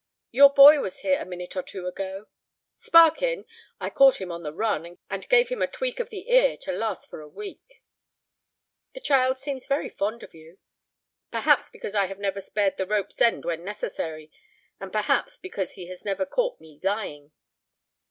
"Your boy was here a minute or two ago." "Sparkin? I caught him on the run, and gave him a tweak of the ear to last for a week." "The child seems very fond of you." "Perhaps because I have never spared the rope's end when necessary, and perhaps because he has never caught me lying."